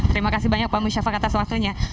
terima kasih banyak pak musyafa kata semuanya